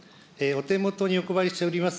お手元にお配りしております